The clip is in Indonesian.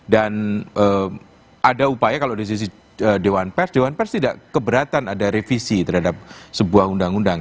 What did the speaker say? dan ada upaya kalau di sisi dewan pes dewan pes tidak keberatan ada revisi terhadap sebuah undang undang